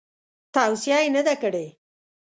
توصیه یې نه ده کړې.